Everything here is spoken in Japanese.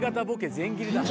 全切りだ。